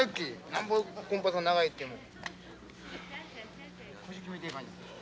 なんぼコンパス長いっても。